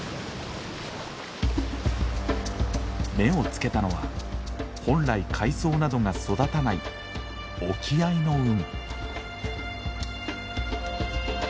目をつけたのは本来海藻などが育たない沖合の海。